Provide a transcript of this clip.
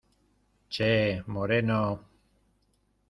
¡ che, moreno!...